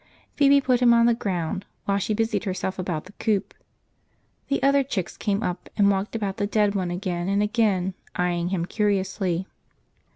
Phoebe put him on the ground while she busied herself about the coop. The other chicks came out and walked about the dead one again and again, eyeing him curiously.